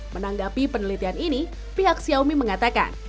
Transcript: menanggapi penelitian ini pihak xiaomi mengatakan